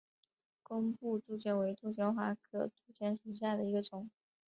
工布杜鹃为杜鹃花科杜鹃属下的一个种。